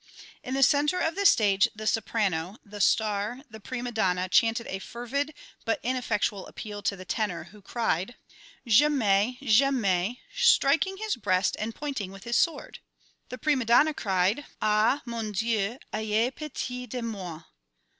_" In the centre of the stage, the soprano, the star, the prima donna chanted a fervid but ineffectual appeal to the tenor who cried, "Jamais, jamais!" striking his breast and pointing with his sword. The prima donna cried, "_Ah, mon Dieu, ayez pitié de moi.